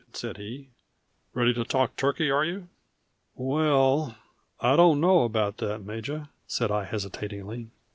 said he. "Ready to talk turkey, are you?" "Well I don't know about that, Major," said I hesitatingly.